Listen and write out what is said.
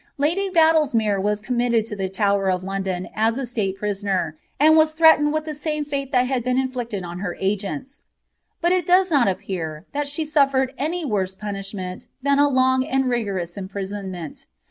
* L^ Badlesmere was committed to the Tower of London aa a slate IHWtmi. and was threatened with the same fate tliat had been iiUlichNl cu hv agents : but it does not appear that she suHered any woim poa^itf than a long and rigorous imprisonment.